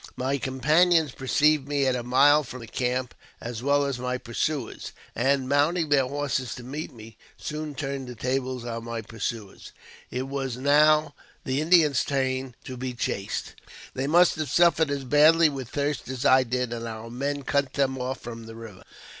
My companions perceived me at a mile from the camp, as well as my pursuers ; and, mounting their horses to meet me, soon turned the tables on my pursuers. It was now the Indians' turn to be chased. They must have suffered as badly with thirst as I did, and our men cut them off from the river.